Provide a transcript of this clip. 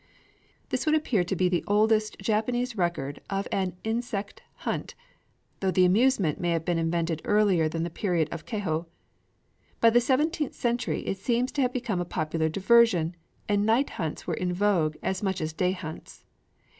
This would appear to be the oldest Japanese record of an insect hunt, though the amusement may have been invented earlier than the period of Kaho. By the seventeenth century it seems to have become a popular diversion; and night hunts were in vogue as much as day hunts.